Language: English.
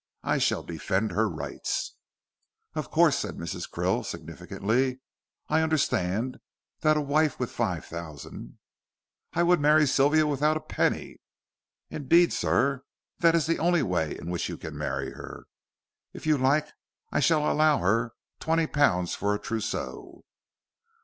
"I shall defend her rights." "Of course," said Mrs. Krill, significantly. "I understand that a wife with five thousand " "I would marry Sylvia without a penny." "Indeed, sir, that is the only way in which you can marry her. If you like I shall allow her twenty pounds for a trousseau."